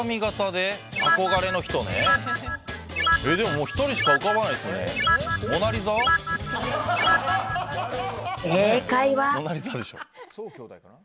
でも１人しか浮かばないですね。